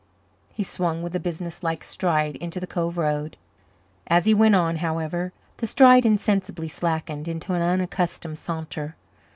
He swung with a businesslike stride into the Cove road. As he went on, however, the stride insensibly slackened into an unaccustomed saunter.